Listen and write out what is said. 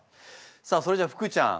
さあそれじゃあ福ちゃん